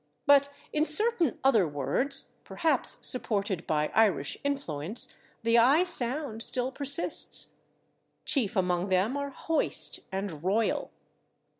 But in certain other words, perhaps supported by Irish influence, the /i/ sound still persists. Chief among them are /hoist/ and /roil